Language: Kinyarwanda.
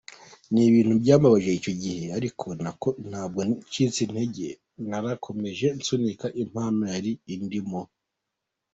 Ni ibintu byambabaje icyo gihe ariko ntabwo nacitse intege narakomeje nsunika impano yari indimo.